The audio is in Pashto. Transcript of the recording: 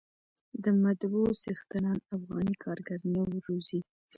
د مطبعو څښتنان افغاني کارګر نه روزي.